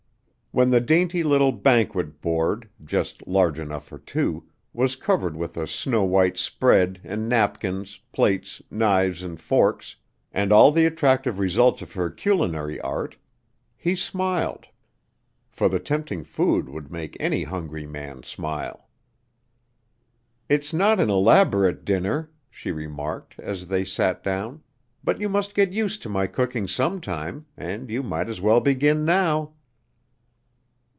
When the dainty little banquet board, just large enough for two, was covered with a snow white spread and napkins, plates, knives and forks, and all the attractive results of her culinary art, he smiled, for the tempting food would make any hungry man smile. "It's not an elaborate dinner," she remarked, as they sat down, "but you must get used to my cooking some time, and you might as well begin now."